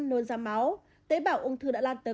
nôn ra máu tế bào ung thư đã lan tới